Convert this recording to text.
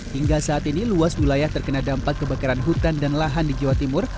hingga saat ini luas wilayah terkena dampak kebakaran hutan dan lahan di jawa timur